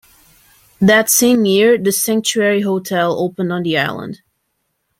That same year, The Sanctuary hotel opened on the island.